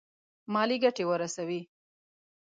مالي ګټي ورسوي.